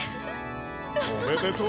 おめでとう！